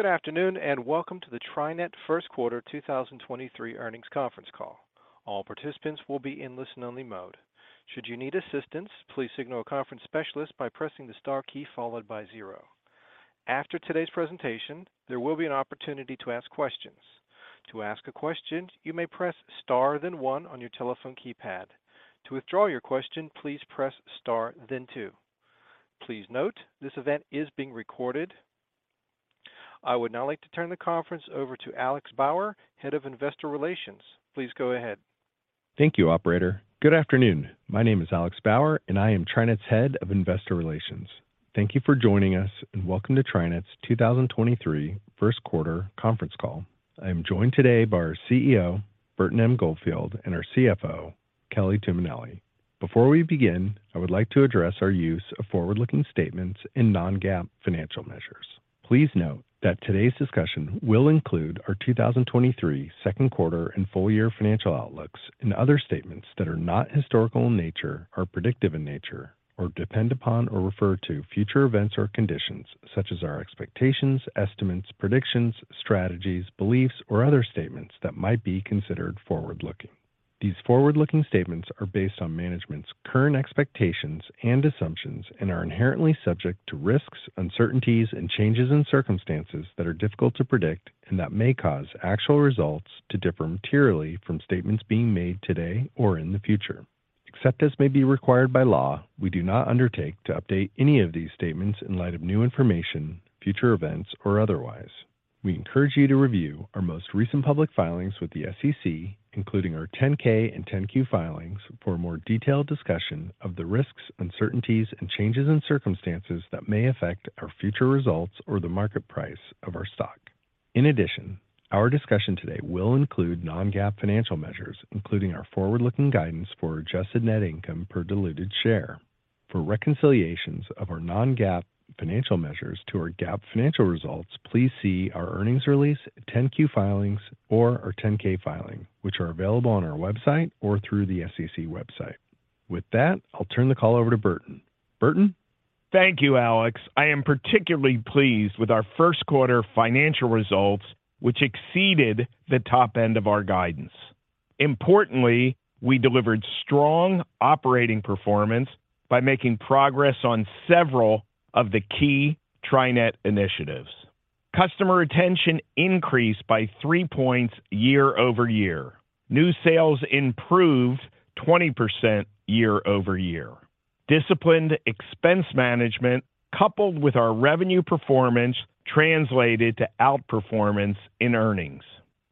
Good afternoon. Welcome to the TriNet First Quarter 2023 Earnings Conference Call. All participants will be in listen-only mode. Should you need assistance, please signal a conference specialist by pressing the star key followed by zero. After today's presentation, there will be an opportunity to ask questions. To ask a question, you may press star then one on your telephone keypad. To withdraw your question, please press star then two. Please note, this event is being recorded. I would now like to turn the conference over to Alex Bauer, Head of Investor Relations. Please go ahead. Thank you, operator. Good afternoon. My name is Alex Bauer, and I am TriNet's Head of Investor Relations. Thank you for joining us, and welcome to TriNet's 2023 first quarter conference call. I am joined today by our CEO, Burton M. Goldfield, and our CFO, Kelly Tuminelli. Before we begin, I would like to address our use of forward-looking statements and non-GAAP financial measures. Please note that today's discussion will include our 2023 second quarter and full year financial outlooks and other statements that are not historical in nature or predictive in nature or depend upon or refer to future events or conditions such as our expectations, estimates, predictions, strategies, beliefs, or other statements that might be considered forward-looking. These forward-looking statements are based on management's current expectations and assumptions and are inherently subject to risks, uncertainties, and changes in circumstances that are difficult to predict, and that may cause actual results to differ materially from statements being made today or in the future. Except as may be required by law, we do not undertake to update any of these statements in light of new information, future events, or otherwise. We encourage you to review our most recent public filings with the SEC, including our 10-K and 10-Q filings for a more detailed discussion of the risks, uncertainties, and changes in circumstances that may affect our future results or the market price of our stock. Our discussion today will include non-GAAP financial measures, including our forward-looking guidance for adjusted net income per diluted share. For reconciliations of our non-GAAP financial measures to our GAAP financial results, please see our earnings release, 10-Q filings, or our 10-K filing, which are available on our website or through the SEC website. With that, I'll turn the call over to Burton. Burton? Thank you, Alex. I am particularly pleased with our first quarter financial results, which exceeded the top end of our guidance. Importantly, we delivered strong operating performance by making progress on several of the key TriNet initiatives. Customer retention increased by three points year-over-year. New sales improved 20% year-over-year. Disciplined expense management, coupled with our revenue performance, translated to outperformance in earnings.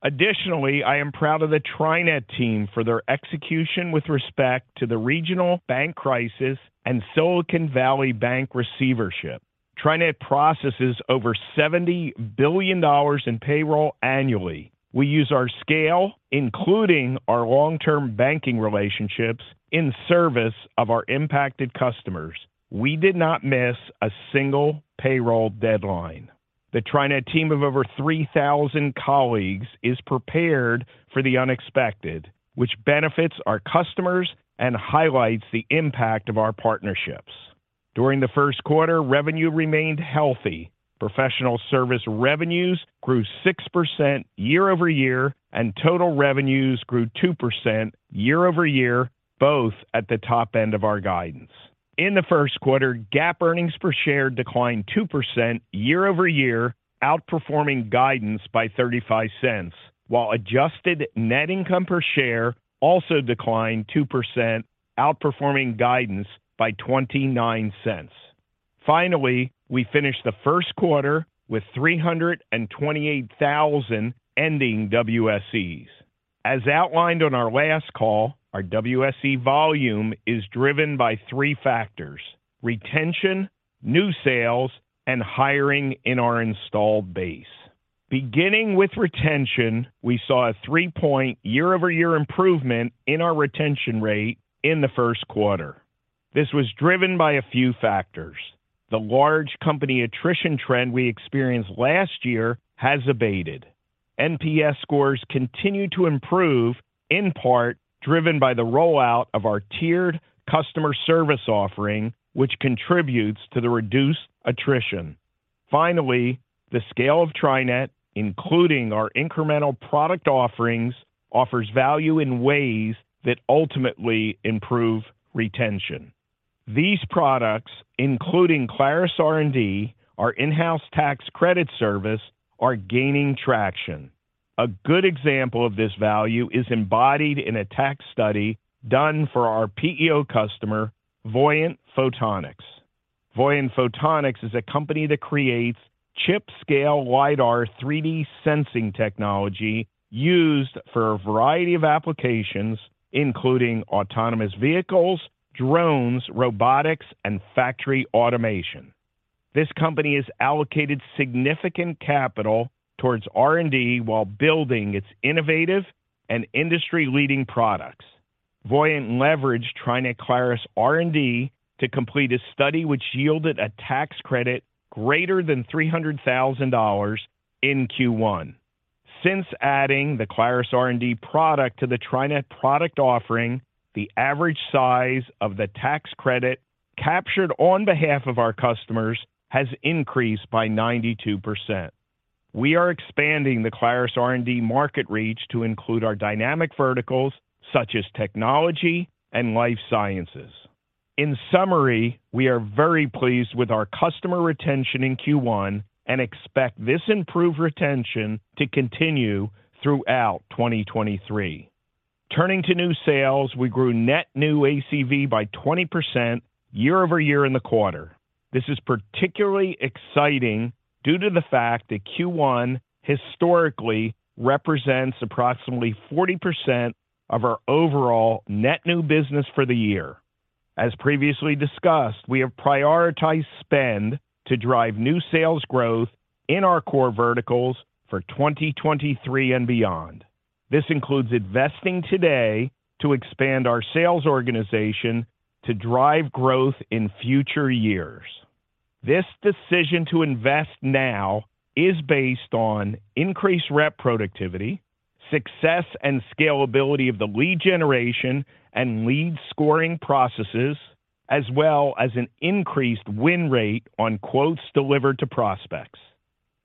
I am proud of the TriNet team for their execution with respect to the regional bank crisis and Silicon Valley Bank receivership. TriNet processes over $70 billion in payroll annually. We use our scale, including our long-term banking relationships, in service of our impacted customers. We did not miss a single payroll deadline. The TriNet team of over 3,000 colleagues is prepared for the unexpected, which benefits our customers and highlights the impact of our partnerships. During the first quarter, revenue remained healthy. Professional service revenues grew 6% year-over-year, total revenues grew 2% year-over-year, both at the top end of our guidance. In the first quarter, GAAP earnings per share declined 2% year-over-year, outperforming guidance by $0.35, while adjusted net income per share also declined 2%, outperforming guidance by $0.29. Finally, we finished the first quarter with 328,000 ending WSEs. As outlined on our last call, our WSE volume is driven by three factors: retention, new sales, and hiring in our installed base. Beginning with retention, we saw a three-point year-over-year improvement in our retention rate in the first quarter. This was driven by a few factors. The large company attrition trend we experienced last year has abated. NPS scores continue to improve, in part driven by the rollout of our tiered customer service offering, which contributes to the reduced attrition. Finally, the scale of TriNet, including our incremental product offerings, offers value in ways that ultimately improve retention. These products, including Clarus R+D, our in-house tax credit service, are gaining traction. A good example of this value is embodied in a tax study done for our PEO customer, Voyant Photonics. Voyant Photonics is a company that creates chip-scale LIDAR 3D sensing technology used for a variety of applications, including autonomous vehicles, drones, robotics, and factory automation. This company has allocated significant capital towards R&D while building its innovative and industry-leading products. Voyant leveraged TriNet Clarus R+D to complete a study which yielded a tax credit greater than $300,000 in Q1. Since adding the Clarus R+D product to the TriNet product offering, the average size of the tax credit captured on behalf of our customers has increased by 92%. We are expanding the Clarus R+D market reach to include our dynamic verticals such as technology and life sciences. In summary, we are very pleased with our customer retention in Q1 and expect this improved retention to continue throughout 2023. Turning to new sales, we grew net new ACV by 20% year-over-year in the quarter. This is particularly exciting due to the fact that Q1 historically represents approximately 40% of our overall net new business for the year. As previously discussed, we have prioritized spend to drive new sales growth in our core verticals for 2023 and beyond. This includes investing today to expand our sales organization to drive growth in future years. This decision to invest now is based on increased rep productivity, success and scalability of the lead generation and lead scoring processes, as well as an increased win rate on quotes delivered to prospects.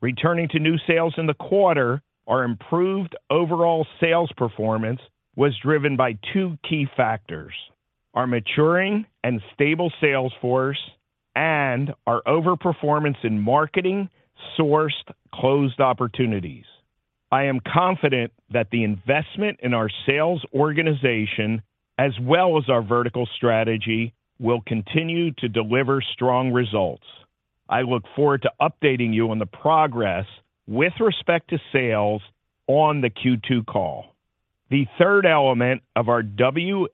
Returning to new sales in the quarter, our improved overall sales performance was driven by two key factors: our maturing and stable sales force and our overperformance in marketing-sourced closed opportunities. I am confident that the investment in our sales organization as well as our vertical strategy will continue to deliver strong results. I look forward to updating you on the progress with respect to sales on the Q2 call. The third element of our WSE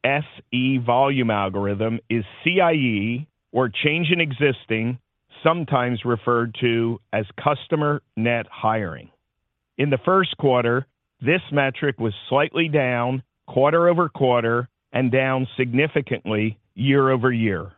volume algorithm is CIE, or change in existing, sometimes referred to as customer net hiring. In the first quarter, this metric was slightly down quarter-over-quarter and down significantly year-over-year.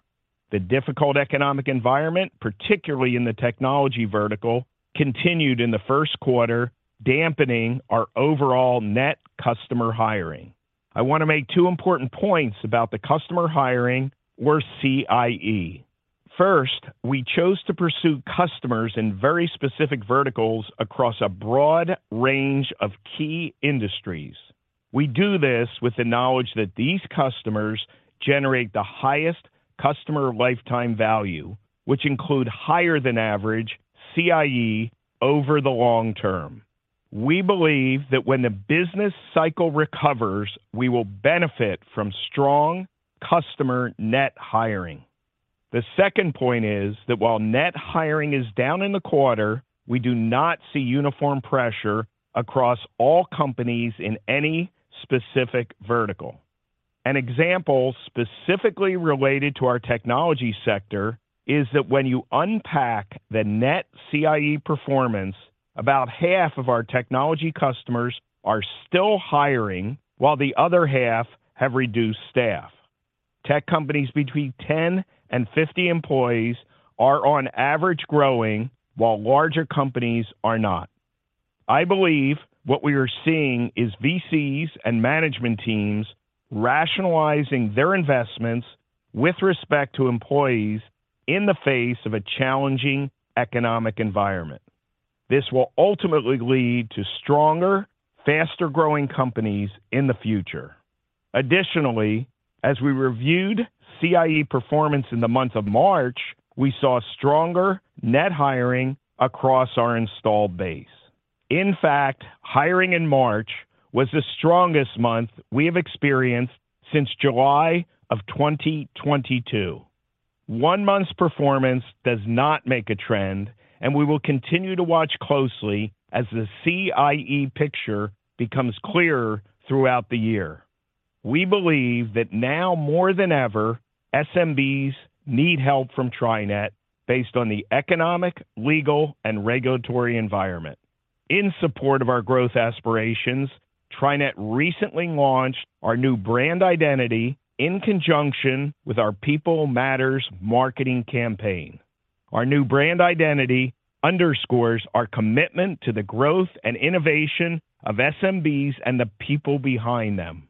The difficult economic environment, particularly in the technology vertical, continued in the first quarter, dampening our overall net customer hiring. I want to make two important points about the customer hiring or CIE. We chose to pursue customers in very specific verticals across a broad range of key industries. We do this with the knowledge that these customers generate the highest customer lifetime value, which include higher than average CIE over the long term. We believe that when the business cycle recovers, we will benefit from strong customer net hiring. The second point is that while net hiring is down in the quarter, we do not see uniform pressure across all companies in any specific vertical. An example specifically related to our technology sector is that when you unpack the net CIE performance, about half of our technology customers are still hiring while the other half have reduced staff. Tech companies between 10 and 50 employees are on average growing while larger companies are not. I believe what we are seeing is VCs and management teams rationalizing their investments with respect to employees in the face of a challenging economic environment. This will ultimately lead to stronger, faster-growing companies in the future. As we reviewed CIE performance in the month of March, we saw stronger net hiring across our installed base. In fact, hiring in March was the strongest month we have experienced since July of 2022. One month's performance does not make a trend, and we will continue to watch closely as the CIE picture becomes clearer throughout the year. We believe that now more than ever, SMBs need help from TriNet based on the economic, legal, and regulatory environment. In support of our growth aspirations, TriNet recently launched our new brand identity in conjunction with our People Matters marketing campaign. Our new brand identity underscores our commitment to the growth and innovation of SMBs and the people behind them.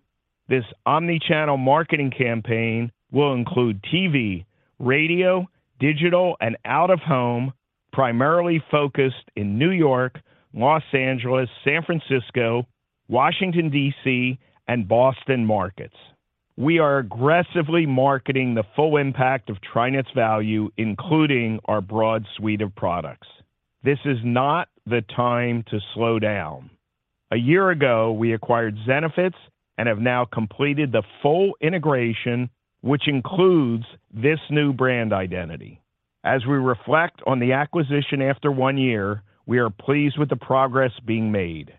This omni-channel marketing campaign will include TV, radio, digital, and out-of-home, primarily focused in New York, Los Angeles, San Francisco, Washington, D.C., and Boston markets. We are aggressively marketing the full impact of TriNet's value, including our broad suite of products. This is not the time to slow down. A year ago, we acquired Zenefits and have now completed the full integration, which includes this new brand identity. As we reflect on the acquisition after 1 year, we are pleased with the progress being made.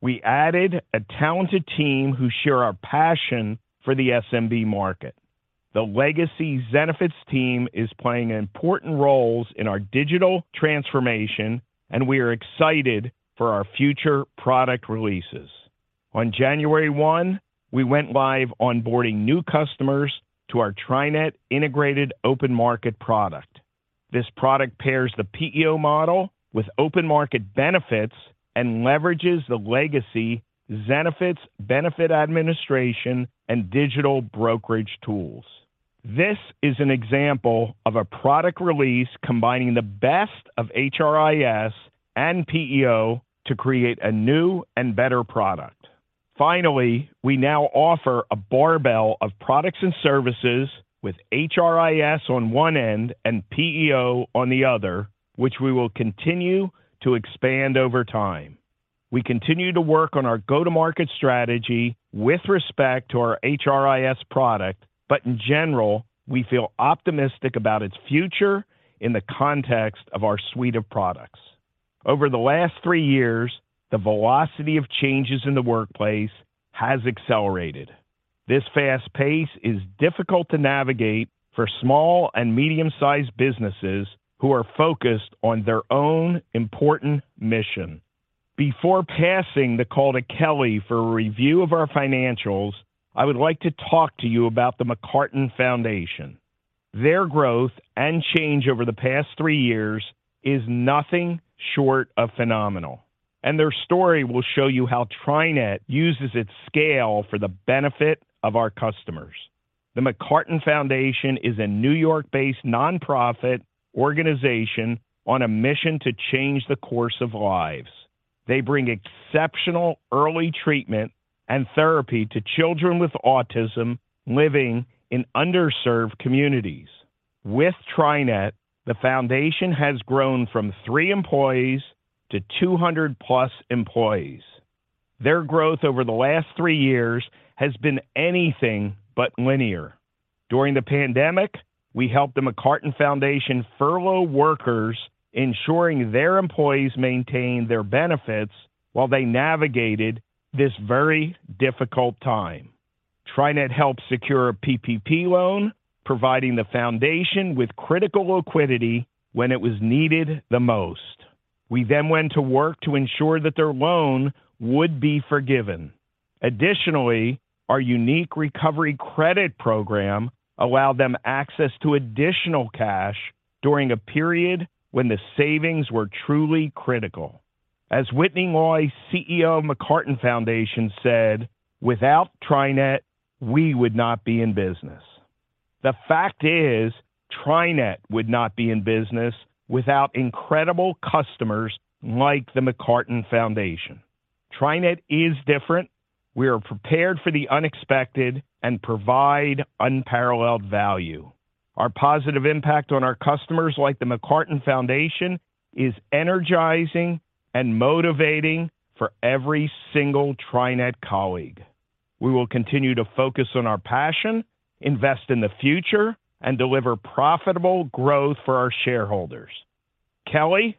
We added a talented team who share our passion for the SMB market. The legacy Zenefits team is playing important roles in our digital transformation, and we are excited for our future product releases. On January 1, we went live onboarding new customers to our TriNet Integrated Open Market product. This product pairs the PEO model with open market benefits and leverages the legacy Zenefits benefit administration and digital brokerage tools. This is an example of a product release combining the best of HRIS and PEO to create a new and better product. Finally, we now offer a barbell of products and services with HRIS on one end and PEO on the other, which we will continue to expand over time. We continue to work on our go-to-market strategy with respect to our HRIS product, but in general, we feel optimistic about its future in the context of our suite of products. Over the last three years, the velocity of changes in the workplace has accelerated. This fast pace is difficult to navigate for small and medium-sized businesses who are focused on their own important mission. Before passing the call to Kelly for a review of our financials, I would like to talk to you about the McCarton Foundation. Their growth and change over the past three years is nothing short of phenomenal, and their story will show you how TriNet uses its scale for the benefit of our customers. The McCarton Foundation is a New York-based nonprofit organization on a mission to change the course of lives. They bring exceptional early treatment and therapy to children with autism living in underserved communities. With TriNet, the foundation has grown from three employees to 200+ employees. Their growth over the last three years has been anything but linear. During the pandemic, we helped the McCarton Foundation furlough workers, ensuring their employees maintained their benefits while they navigated this very difficult time. TriNet helped secure a PPP loan, providing the foundation with critical liquidity when it was needed the most. We went to work to ensure that their loan would be forgiven. Additionally, our unique recovery credit program allowed them access to additional cash during a period when the savings were truly critical. As Whitney Loy, CEO of McCarton Foundation, said, "Without TriNet, we would not be in business." The fact is, TriNet would not be in business without incredible customers like the McCarton Foundation. TriNet is different. We are prepared for the unexpected and provide unparalleled value. Our positive impact on our customers like the McCarton Foundation is energizing and motivating for every single TriNet colleague. We will continue to focus on our passion, invest in the future, and deliver profitable growth for our shareholders. Kelly?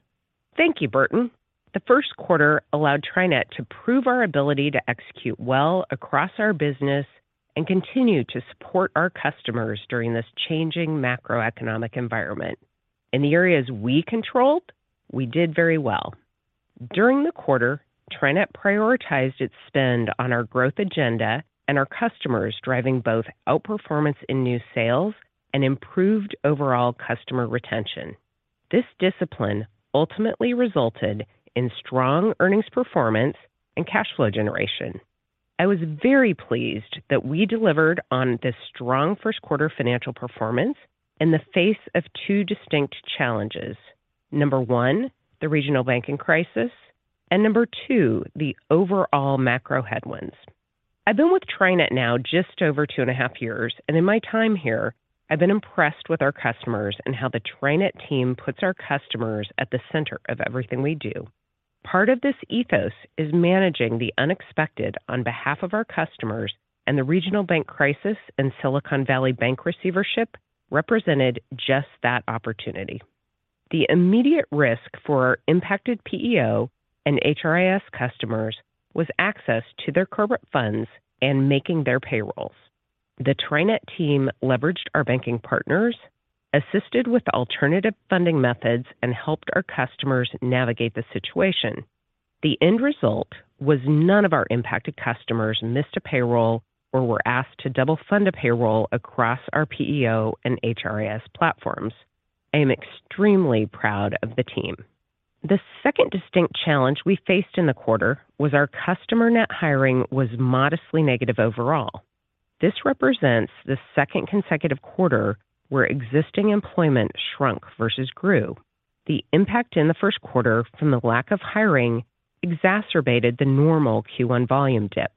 Thank you, Burton. The first quarter allowed TriNet to prove our ability to execute well across our business and continue to support our customers during this changing macroeconomic environment. In the areas we controlled, we did very well. During the quarter, TriNet prioritized its spend on our growth agenda and our customers, driving both outperformance in new sales and improved overall customer retention. This discipline ultimately resulted in strong earnings performance and cash flow generation. I was very pleased that we delivered on this strong first quarter financial performance in the face of two distinct challenges. Number one, the regional banking crisis, and number two, the overall macro headwinds. I've been with TriNet now just over 2.5 years, and in my time here, I've been impressed with our customers and how the TriNet team puts our customers at the center of everything we do. Part of this ethos is managing the unexpected on behalf of our customers, the regional bank crisis and Silicon Valley Bank receivership represented just that opportunity. The immediate risk for our impacted PEO and HRIS customers was access to their corporate funds and making their payrolls. The TriNet team leveraged our banking partners, assisted with alternative funding methods, and helped our customers navigate the situation. The end result was none of our impacted customers missed a payroll or were asked to double fund a payroll across our PEO and HRIS platforms. I am extremely proud of the team. The second distinct challenge we faced in the quarter was our customer net hiring was modestly negative overall. This represents the second consecutive quarter where existing employment shrunk versus grew. The impact in the first quarter from the lack of hiring exacerbated the normal Q1 volume dip.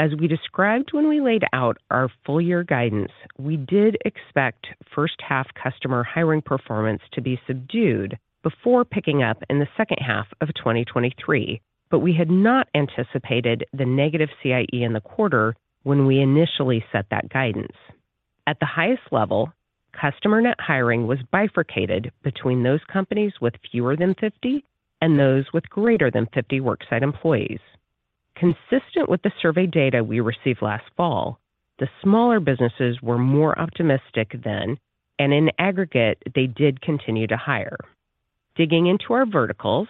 As we described when we laid out our full year guidance, we did expect first half customer hiring performance to be subdued before picking up in the second half of 2023. We had not anticipated the negative CIE in the quarter when we initially set that guidance. At the highest level, customer net hiring was bifurcated between those companies with fewer than 50 and those with greater than 50 worksite employees. Consistent with the survey data we received last fall, the smaller businesses were more optimistic then, and in aggregate, they did continue to hire. Digging into our verticals,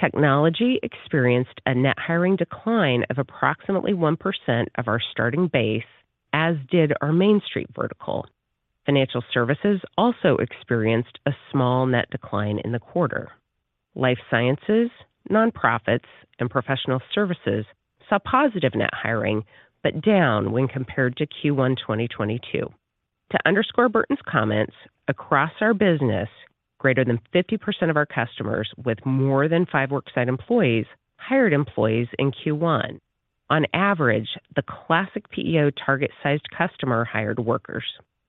technology experienced a net hiring decline of approximately 1% of our starting base, as did our main street vertical. Financial services also experienced a small net decline in the quarter. Life sciences, nonprofits, and professional services saw positive net hiring, but down when compared to Q1 2022. To underscore Burton's comments, across our business, greater than 50% of our customers with more than five worksite employees hired employees in Q1. On average, the classic PEO target sized customer hired workers.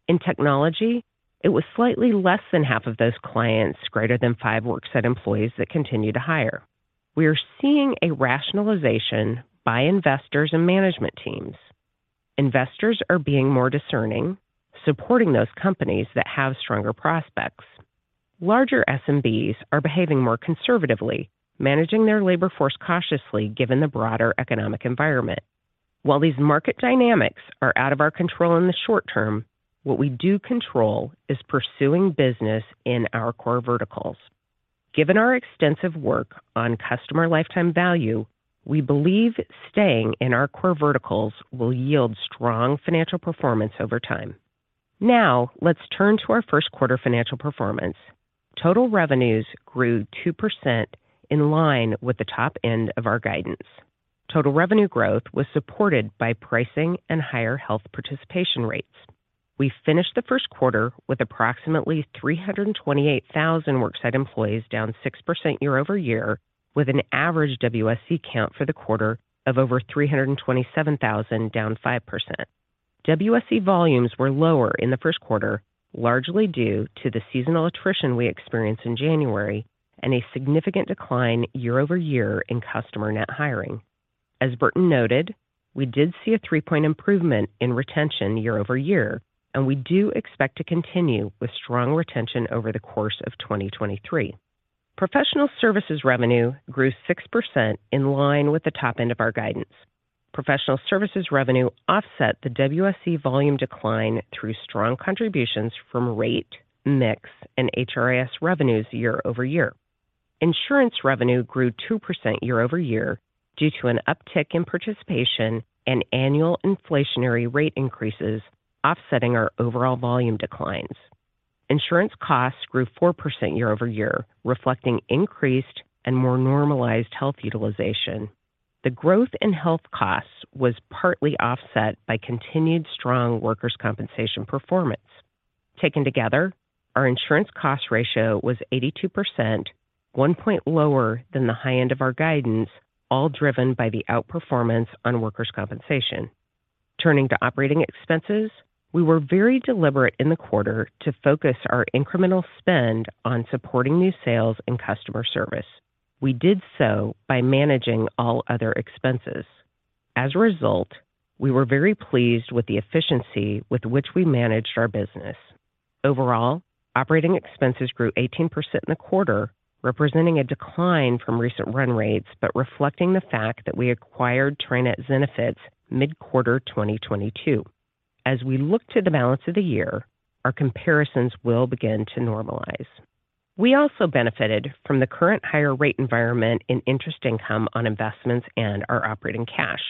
In technology, it was slightly less than half of those clients, greater than five worksite employees that continue to hire. We are seeing a rationalization by investors and management teams. Investors are being more discerning, supporting those companies that have stronger prospects. Larger SMBs are behaving more conservatively, managing their labor force cautiously given the broader economic environment. These market dynamics are out of our control in the short term, what we do control is pursuing business in our core verticals. Given our extensive work on customer lifetime value, we believe staying in our core verticals will yield strong financial performance over time. Let's turn to our first quarter financial performance. Total revenues grew 2% in line with the top end of our guidance. Total revenue growth was supported by pricing and higher health participation rates. We finished the first quarter with approximately 328,000 worksite employees down 6% year-over-year, with an average WSC count for the quarter of over 327,000 down 5%. WSC volumes were lower in the first quarter, largely due to the seasonal attrition we experienced in January and a significant decline year-over-year in customer net hiring. As Burton noted, we did see a three-point improvement in retention year-over-year, we do expect to continue with strong retention over the course of 2023. Professional services revenue grew 6% in line with the top end of our guidance. Professional services revenue offset the WSC volume decline through strong contributions from rate, mix, and HRIS revenues year-over-year. Insurance revenue grew 2% year-over-year due to an uptick in participation and annual inflationary rate increases offsetting our overall volume declines. Insurance costs grew 4% year-over-year, reflecting increased and more normalized health utilization. The growth in health costs was partly offset by continued strong workers' compensation performance. Taken together, our insurance cost ratio was 82%, one point lower than the high end of our guidance, all driven by the outperformance on workers' compensation. Turning to operating expenses, we were very deliberate in the quarter to focus our incremental spend on supporting new sales and customer service. We did so by managing all other expenses. As a result, we were very pleased with the efficiency with which we managed our business. Overall, operating expenses grew 18% in the quarter, representing a decline from recent run rates, reflecting the fact that we acquired TriNet Zenefits mid-quarter 2022. As we look to the balance of the year, our comparisons will begin to normalize. We also benefited from the current higher rate environment in interest income on investments and our operating cash.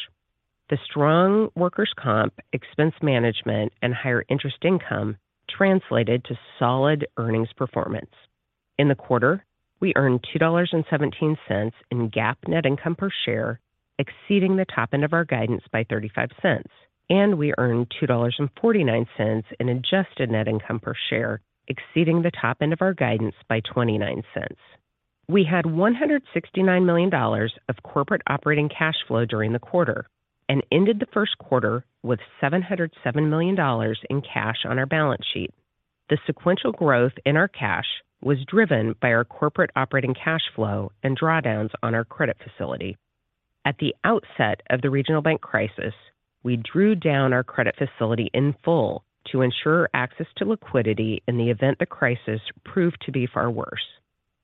The strong workers' comp, expense management, and higher interest income translated to solid earnings performance. In the quarter, we earned $2.17 in GAAP net income per share, exceeding the top end of our guidance by $0.35, we earned $2.49 in adjusted net income per share, exceeding the top end of our guidance by $0.29. We had $169 million of corporate operating cash flow during the quarter and ended the first quarter with $707 million in cash on our balance sheet. The sequential growth in our cash was driven by our corporate operating cash flow and drawdowns on our credit facility. At the outset of the regional bank crisis, we drew down our credit facility in full to ensure access to liquidity in the event the crisis proved to be far worse.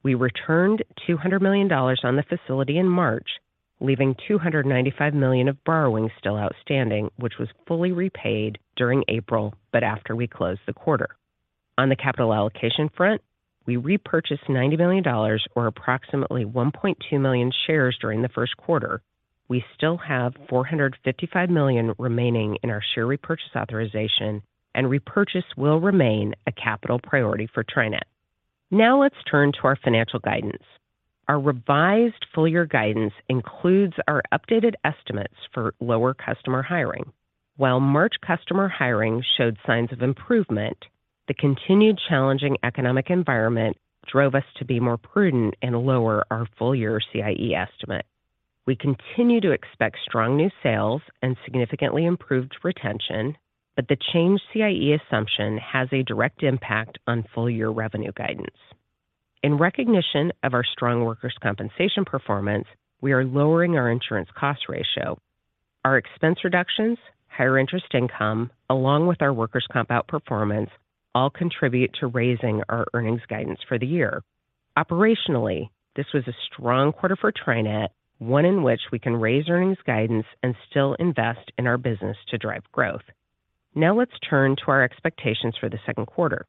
We returned $200 million on the facility in March, leaving $295 million of borrowing still outstanding, which was fully repaid during April, after we closed the quarter. On the capital allocation front, we repurchased $90 million or approximately 1.2 million shares during the first quarter. We still have $455 million remaining in our share repurchase authorization. Repurchase will remain a capital priority for TriNet. Let's turn to our financial guidance. Our revised full year guidance includes our updated estimates for lower customer hiring. While March customer hiring showed signs of improvement, the continued challenging economic environment drove us to be more prudent and lower our full year CIE estimate. We continue to expect strong new sales and significantly improved retention. The changed CIE assumption has a direct impact on full year revenue guidance. In recognition of our strong workers' compensation performance, we are lowering our insurance cost ratio. Our expense reductions, higher interest income, along with our workers' comp outperformance all contribute to raising our earnings guidance for the year. Operationally, this was a strong quarter for TriNet, one in which we can raise earnings guidance and still invest in our business to drive growth. Let's turn to our expectations for the second quarter.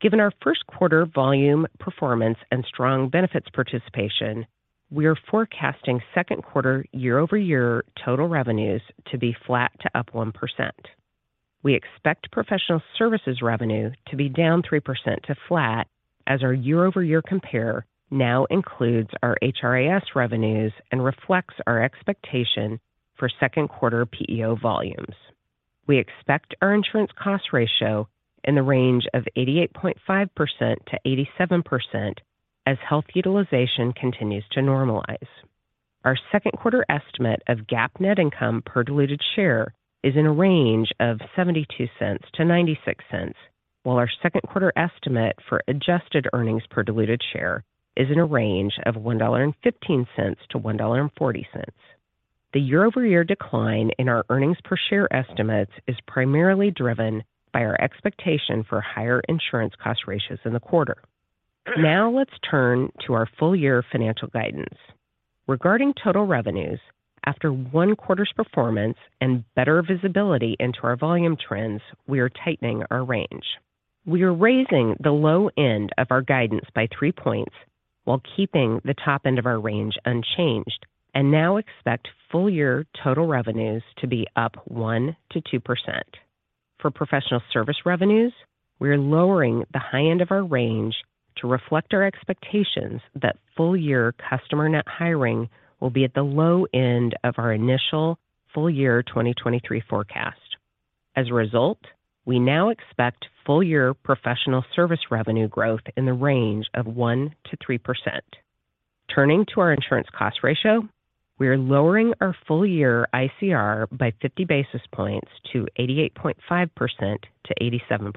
Given our first quarter volume performance and strong benefits participation, we are forecasting second quarter year-over-year total revenues to be flat to up 1%. We expect professional services revenue to be down 3% to flat as our year-over-year compare now includes our HRIS revenues and reflects our expectation for second quarter PEO volumes. We expect our insurance cost ratio in the range of 88.5%-87% as health utilization continues to normalize. Our second quarter estimate of GAAP net income per diluted share is in a range of $0.72-$0.96, while our second quarter estimate for adjusted earnings per diluted share is in a range of $1.15-$1.40. The year-over-year decline in our earnings per share estimates is primarily driven by our expectation for higher insurance cost ratios in the quarter. Now let's turn to our full year financial guidance. Regarding total revenues, after one quarter's performance and better visibility into our volume trends, we are tightening our range. We are raising the low end of our guidance by three points while keeping the top end of our range unchanged, and now expect full year total revenues to be up 1%-2%. For professional service revenues, we are lowering the high end of our range to reflect our expectations that full year customer net hiring will be at the low end of our initial full year 2023 forecast. As a result, we now expect full year professional service revenue growth in the range of 1%-3%. Turning to our insurance cost ratio, we are lowering our full year ICR by 50 basis points to 88.5%-87%.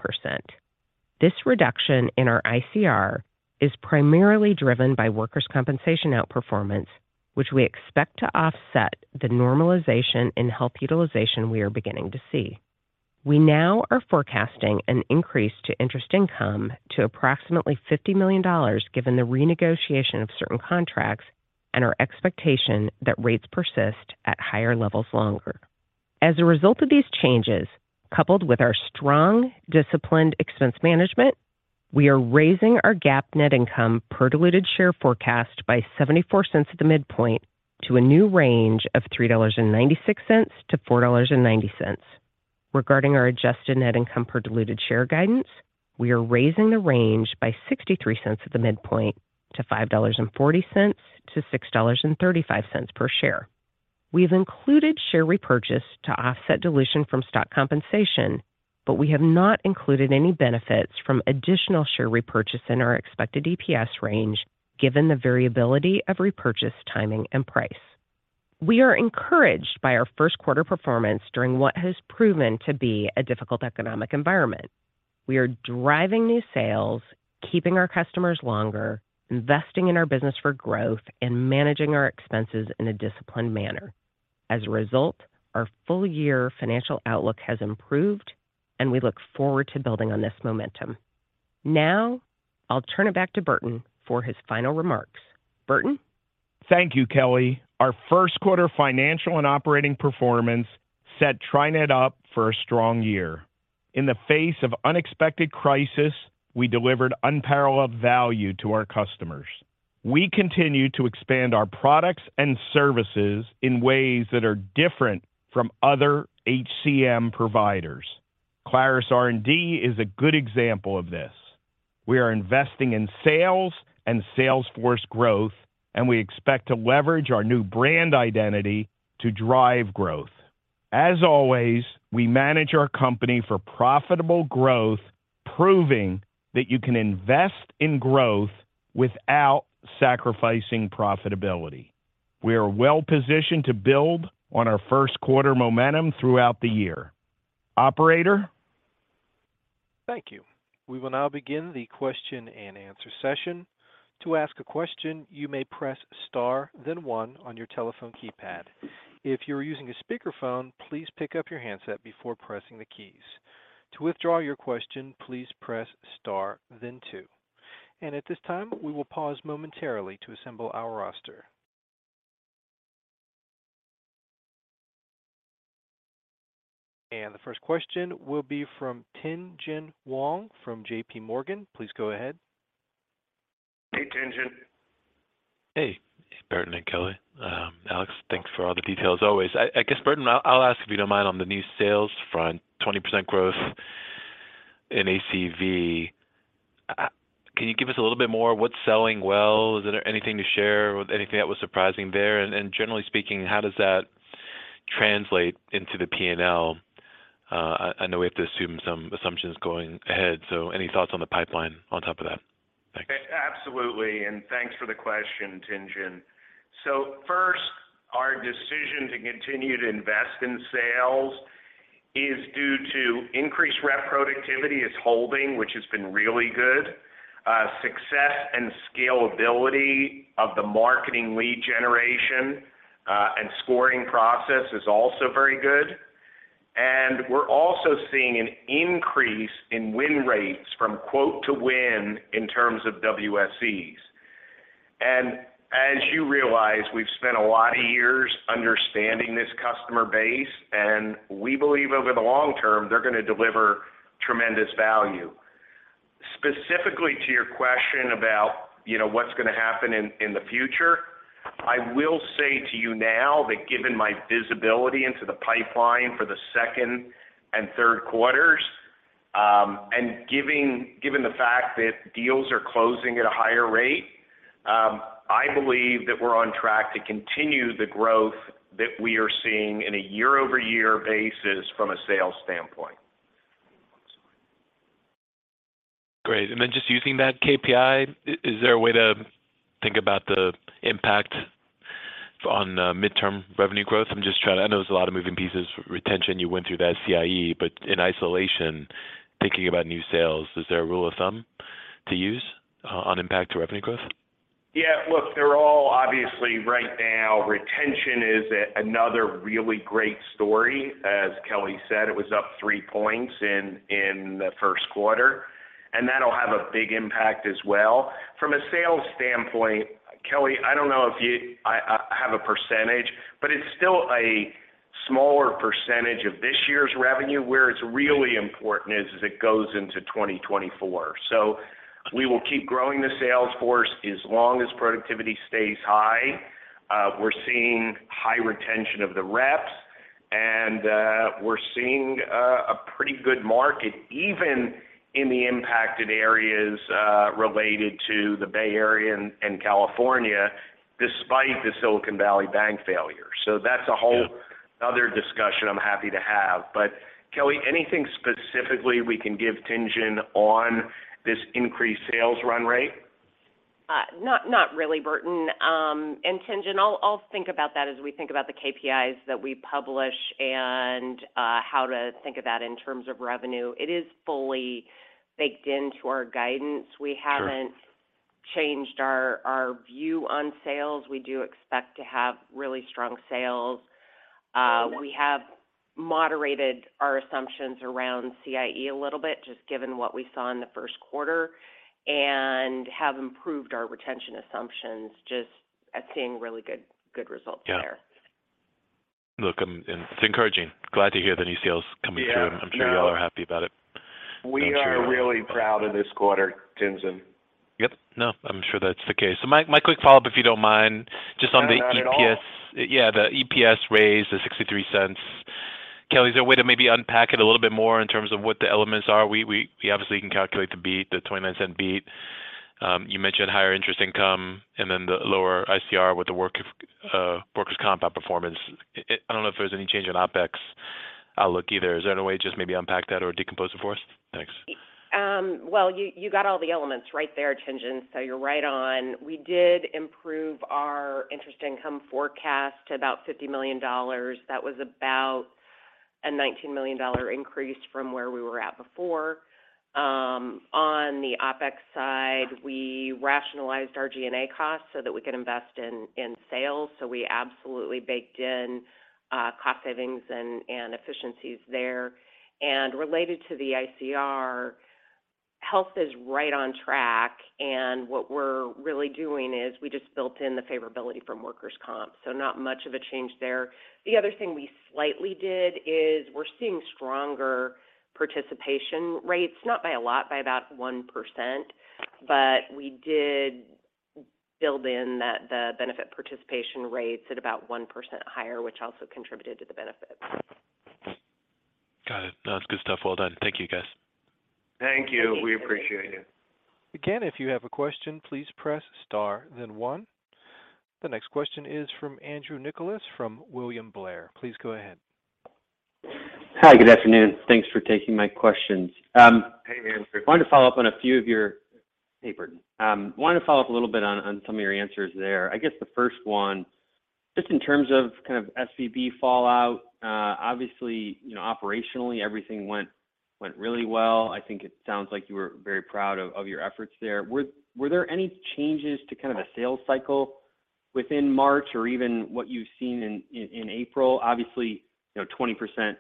This reduction in our ICR is primarily driven by workers' compensation outperformance, which we expect to offset the normalization in health utilization we are beginning to see. We now are forecasting an increase to interest income to approximately $50 million given the renegotiation of certain contracts and our expectation that rates persist at higher levels longer. As a result of these changes, coupled with our strong, disciplined expense management, we are raising our GAAP net income per diluted share forecast by $0.74 at the midpoint to a new range of $3.96-$4.90. Regarding our adjusted net income per diluted share guidance, we are raising the range by $0.63 at the midpoint to $5.40-$6.35 per share. We have included share repurchase to offset dilution from stock compensation, but we have not included any benefits from additional share repurchase in our expected EPS range given the variability of repurchase timing and price. We are encouraged by our first quarter performance during what has proven to be a difficult economic environment. We are driving new sales, keeping our customers longer, investing in our business for growth, and managing our expenses in a disciplined manner. As a result, our full year financial outlook has improved, and we look forward to building on this momentum. Now I'll turn it back to Burton for his final remarks. Burton? Thank you, Kelly. Our first quarter financial and operating performance set TriNet up for a strong year. In the face of unexpected crisis, we delivered unparalleled value to our customers. We continue to expand our products and services in ways that are different from other HCM providers. Clarus R+D is a good example of this. We are investing in sales and sales force growth, and we expect to leverage our new brand identity to drive growth. As always, we manage our company for profitable growth, proving that you can invest in growth without sacrificing profitability. We are well positioned to build on our first quarter momentum throughout the year. Operator? Thank you. We will now begin the question and answer session. To ask a question, you may press star then one on your telephone keypad. If you are using a speakerphone, please pick up your handset before pressing the keys. To withdraw your question, please press star then two. At this time, we will pause momentarily to assemble our roster. The first question will be from Tien-Tsin Huang from JP Morgan. Please go ahead. Hey, Tien-Tsin. Hey, Burton and Kelly. Alex, thanks for all the details always. I guess, Burton, I'll ask if you don't mind on the new sales front, 20% growth in ACV. Can you give us a little bit more what's selling well? Is there anything to share with anything that was surprising there? Generally speaking, how does that translate into the P&L? I know we have to assume some assumptions going ahead, so any thoughts on the pipeline on top of that? Thanks. Absolutely. Thanks for the question, Tien-Tsin. First, our decision to continue to invest in sales is due to increased rep productivity is holding, which has been really good. Success and scalability of the marketing lead generation and scoring process is also very good. We're also seeing an increase in win rates from quote to win in terms of WSEs. As you realize, we've spent a lot of years understanding this customer base, and we believe over the long term, they're gonna deliver tremendous value. Specifically to your question about, you know, what's gonna happen in the future, I will say to you now that given my visibility into the pipeline for the second and third quarters, given the fact that deals are closing at a higher rate, I believe that we're on track to continue the growth that we are seeing in a year-over-year basis from a sales standpoint. Great. Just using that KPI, is there a way to think about the impact on midterm revenue growth? I'm just trying to... I know there's a lot of moving pieces. Retention, you went through that CIE, but in isolation, thinking about new sales, is there a rule of thumb to use on impact to revenue growth? Look, they're all obviously right now, retention is another really great story. As Kelly said, it was up 3 points in the first quarter, and that'll have a big impact as well. From a sales standpoint, Kelly, I don't know if you have a percentage, but it's still a smaller percentage of this year's revenue. Where it's really important is it goes into 2024. We will keep growing the sales force as long as productivity stays high. We're seeing high retention of the reps, and we're seeing a pretty good market even in the impacted areas related to the Bay Area and California despite the Silicon Valley Bank failure, that's a whole other discussion I'm happy to have. Kelly, anything specifically we can give Tien-Tsin on this increased sales run rate? Not really, Burton. Tien-Tsin, I'll think about that as we think about the KPIs that we publish and, how to think of that in terms of revenue. It is fully baked into our guidance. Sure. We haven't changed our view on sales. We do expect to have really strong sales. We have moderated our assumptions around CIE a little bit, just given what we saw in the first quarter, and have improved our retention assumptions just at seeing really good results there. Yeah. Look, it's encouraging. Glad to hear the new sales coming through. Yeah. No. I'm sure y'all are happy about it. We are really proud of this quarter, Tien-Tsin. Yep. No, I'm sure that's the case. My quick follow-up, if you don't mind, just on the EPS. No, not at all. The EPS raise, the $0.63. Kelly, is there a way to maybe unpack it a little bit more in terms of what the elements are? We obviously can calculate the beat, the $0.29 beat. You mentioned higher interest income and then the lower ICR with the work of workers' comp performance. I don't know if there's any change in OpEx outlook either. Is there any way just maybe unpack that or decompose it for us? Thanks. Well, you got all the elements right there, Tingen, you're right on. We did improve our interest income forecast to about $50 million. That was about a $19 million increase from where we were at before. On the OpEx side, we rationalized our G&A costs so that we could invest in sales. We absolutely baked in cost savings and efficiencies there. Related to the ICR, health is right on track, and what we're really doing is we just built in the favorability from workers' comp. Not much of a change there. The other thing we slightly did is we're seeing stronger participation rates, not by a lot, by about 1%, but we did build in that the benefit participation rates at about 1% higher, which also contributed to the benefits. Got it. No, it's good stuff. Well done. Thank you, guys. Thank you. We appreciate it. If you have a question, please press star then one. The next question is from Andrew Nicholas from William Blair. Please go ahead. Hi, good afternoon. Thanks for taking my questions. Hey, Andrew. Wanted to follow up on a few of your. Hey, Burton. Wanted to follow up a little bit on some of your answers there. I guess the first one, just in terms of kind of SVB fallout, obviously, you know, operationally, everything went really well. I think it sounds like you were very proud of your efforts there. Were there any changes to kind of a sales cycle within March or even what you've seen in April? Obviously, you know, 20%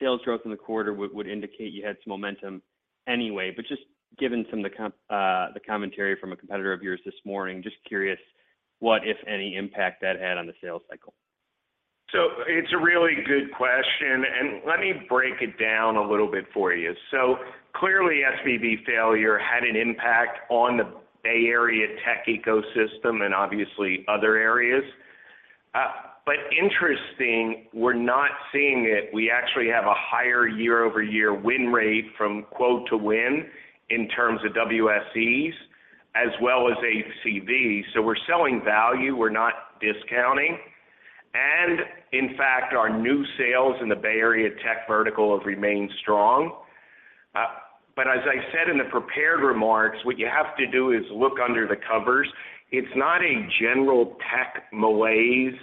sales growth in the quarter would indicate you had some momentum anyway. Just given some of the commentary from a competitor of yours this morning, just curious what, if any, impact that had on the sales cycle. It's a really good question, and let me break it down a little bit for you. Clearly, SVB failure had an impact on the Bay Area tech ecosystem and obviously other areas. But interesting, we're not seeing it. We actually have a higher year-over-year win rate from quote to win in terms of WSEs as well as ACV. We're selling value, we're not discounting. In fact, our new sales in the Bay Area tech vertical have remained strong. But as I said in the prepared remarks, what you have to do is look under the covers. It's not a general tech malaise,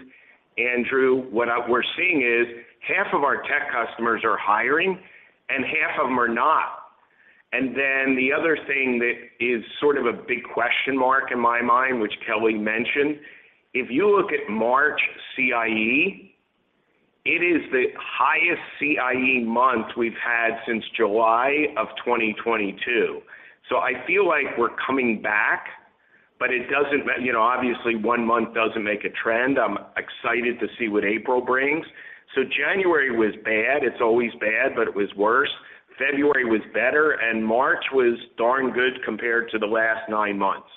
Andrew. What we're seeing is half of our tech customers are hiring and half of them are not. The other thing that is sort of a big question mark in my mind, which Kelly mentioned, if you look at March CIE. It is the highest CIE month we've had since July of 2022. I feel like we're coming back, but it doesn't, you know, obviously one month doesn't make a trend. I'm excited to see what April brings. January was bad. It's always bad, but it was worse. February was better, and March was darn good compared to the last nine months.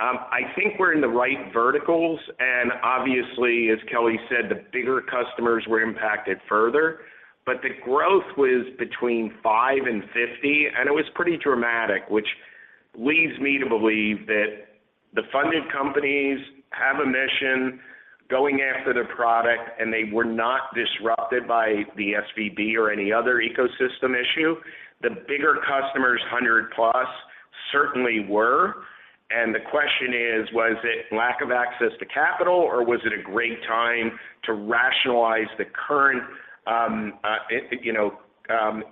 I think we're in the right verticals, and obviously, as Kelly said, the bigger customers were impacted further. The growth was between 5 and 50, and it was pretty dramatic, which leads me to believe that the funded companies have a mission going after the product, and they were not disrupted by the SVB or any other ecosystem issue. The bigger customers, 100+, certainly were. The question is: Was it lack of access to capital, or was it a great time to rationalize the current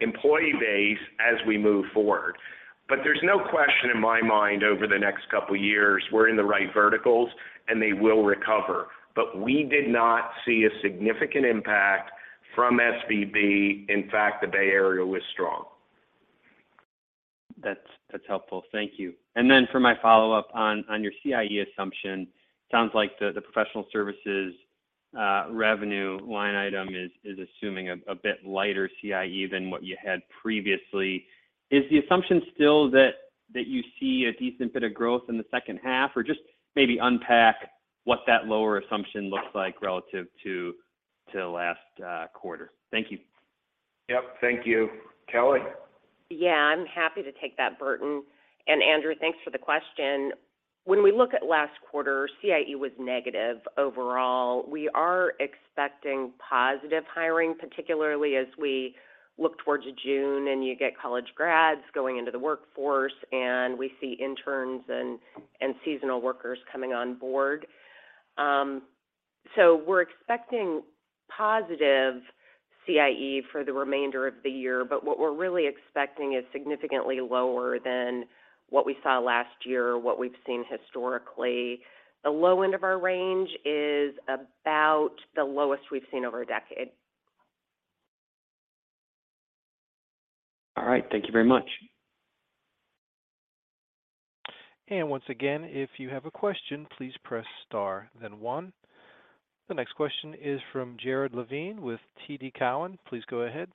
employee base as we move forward? There's no question in my mind over the next couple years, we're in the right verticals, and they will recover. We did not see a significant impact from SVB. In fact, the Bay Area was strong. That's helpful. Thank you. Then for my follow-up on your CIE assumption, sounds like the professional services revenue line item is assuming a bit lighter CIE than what you had previously. Is the assumption still that you see a decent bit of growth in the second half, or just maybe unpack what that lower assumption looks like relative to last quarter? Thank you. Yep. Thank you. Kelly? Yeah, I'm happy to take that, Burton. Andrew, thanks for the question. When we look at last quarter, CIE was negative overall. We are expecting positive hiring, particularly as we look towards June, and you get college grads going into the workforce, and we see interns and seasonal workers coming on board. We're expecting positive CIE for the remainder of the year, but what we're really expecting is significantly lower than what we saw last year or what we've seen historically. The low end of our range is about the lowest we've seen over a decade. All right. Thank you very much. Once again, if you have a question, please press star then one. The next question is from Jared Levine with TD Cowen. Please go ahead.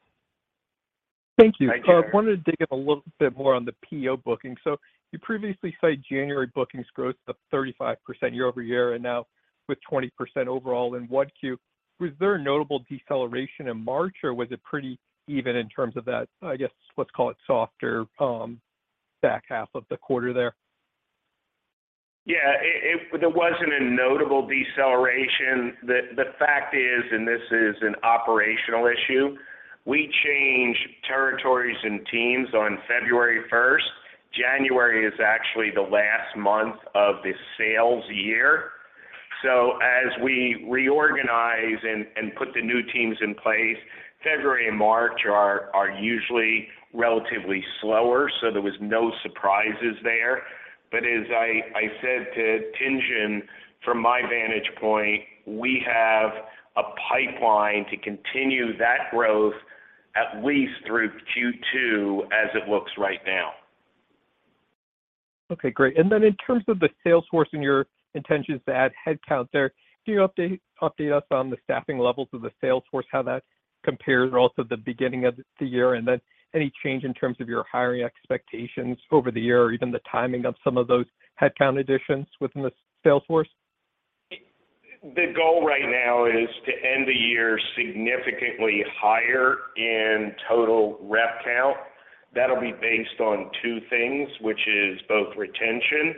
Thank you. Hi, Jared. Yeah, I want to dig in a little bit more on the PEO bookings. So you previously cited January booking growth of 35% year-over-year and now with 20% overall in 1Q. Was there a notable deceleration in March, or was it pretty even in terms of that, let's call it softer back half of the quarter there? There wasn't a notable deceleration. The fact is, and this is an operational issue, we changed territories and teams on February 1st. January is actually the last month of the sales year. As we reorganize and put the new teams in place, February and March are usually relatively slower, so there was no surprises there. As I said to Tien-Tsin, from my vantage point, we have a pipeline to continue that growth at least through Q2 as it looks right now. Okay. Great. Then in terms of the sales force and your intentions to add headcount there, can you update us on the staffing levels of the sales force, how that compares relative to the beginning of the year, and then any change in terms of your hiring expectations over the year or even the timing of some of those headcount additions within the sales force? The goal right now is to end the year significantly higher in total rep count. That'll be based on two things, which is both retention.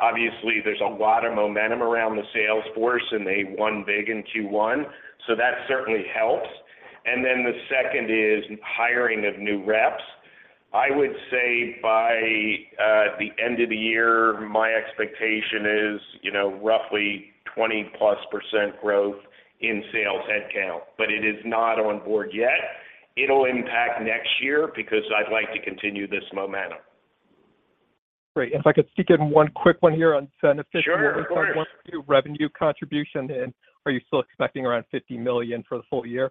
Obviously there's a lot of momentum around the sales force, and they won big in Q1, so that certainly helps. The second is hiring of new reps. I would say by the end of the year, my expectation is, you know, roughly 20%+ growth in sales headcount, but it is not on board yet. It'll impact next year because I'd like to continue this momentum. Great. If I could sneak in one quick one here on Zenefits. Sure. Of course. revenue contribution, are you still expecting around $50 million for the full year?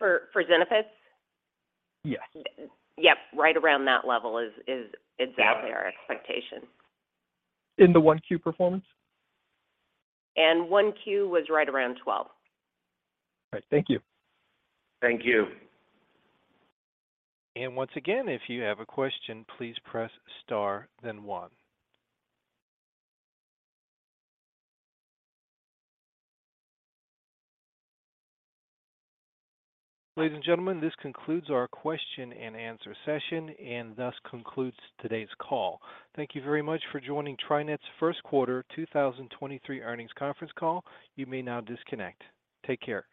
For Zenefits? Yes. Yep. Right around that level is exactly our expectation. In the 1Q performance? 1Q was right around $12. All right. Thank you. Thank you. Once again, if you have a question, please press star then one. Ladies and gentlemen, this concludes our question-and-answer session. Thus concludes today's call. Thank you very much for joining TriNet's first quarter 2023 earnings conference call. You may now disconnect. Take care.